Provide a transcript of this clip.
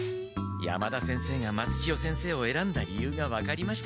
山田先生が松千代先生をえらんだ理由が分かりました。